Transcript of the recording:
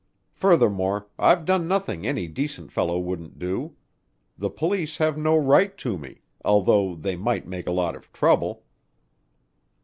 Furthermore, I've done nothing any decent fellow wouldn't do. The police have no right to me, although they might make a lot of trouble."